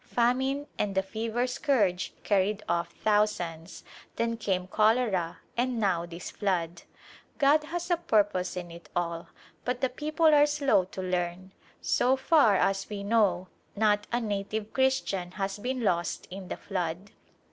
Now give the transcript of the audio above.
Famine and the fever scourge carried ofF thousands, then came cholera and now this flood. God has a purpose in it all but the people are slow to A Glimpse of India learn. So far as we know not a native Christian has been lost in the flood.